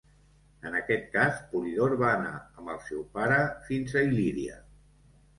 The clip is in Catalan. En aquest cas, Polidor va anar amb el seu pare fins a Il·líria.